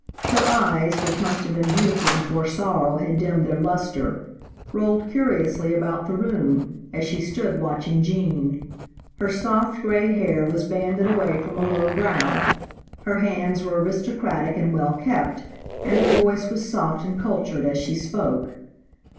Her eyes, which must have been beautiful before sorrow had dimmed their lustre, rolled curiously about the room, as she stood watching Gene. Her soft, gray hair was banded away from a low brow, her hands were aristocratic and well kept, and her voice was soft and cultured as she spoke.